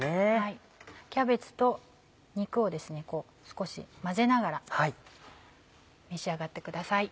キャベツと肉を少し混ぜながら召し上がってください。